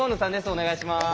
お願いします。